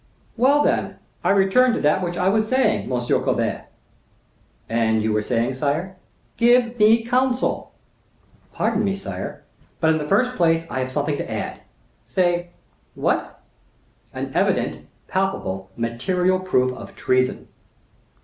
"Well, then, I return to that which I was saying, M. Colbert." "And you were saying, sire?" "Give me counsel." "Pardon me, sire; but in the first place, I have something to add." "Say—what?" "An evident, palpable, material proof of treason."